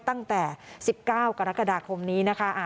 ตั้งแต่๑๙กรกฎาคมนี้นะคะ